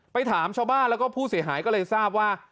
ถามชาวบ้านแล้วก็ผู้เสียหายก็เลยทราบว่า